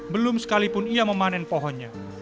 belum sekalipun ia memanen pohonnya